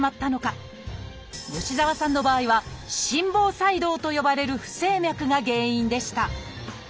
吉澤さんの場合は「心房細動」と呼ばれる不整脈が原因でした。